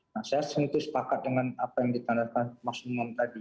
nah saya sempat sempat dengan apa yang ditandakan mas umum tadi